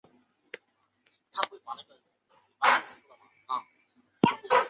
坐在厨房的门边